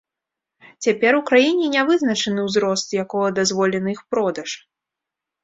Цяпер у краіне не вызначаны ўзрост, з якога дазволены іх продаж.